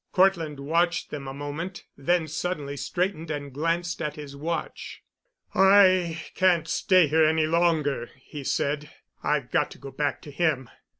Cortland watched them a moment, then suddenly straightened and glanced at his watch. "I can't stay here any longer," he said. "I've got to go back to him.